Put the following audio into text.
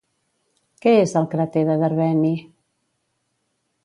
Què és el crater de Derveni?